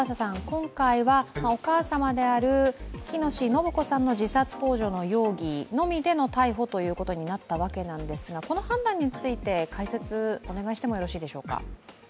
今回はお母様である、喜熨斗延子さんの自殺ほう助の容疑のみでの逮捕ということになったわけですがこの判断について、解説お願いしてもよろしいでしょうか。